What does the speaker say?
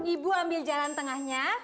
ibu ambil jalan tengahnya